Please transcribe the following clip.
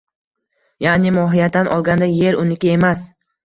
ya’ni, mohiyatan olganda, yer uniki emas.